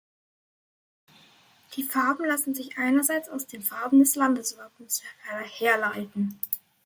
Die Farben lassen sich einerseits aus den Farben des Landeswappens herleiten.